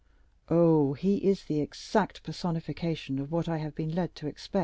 Oh, he is the exact personification of what I have been led to expect!